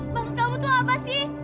maksud kamu tuh apa sih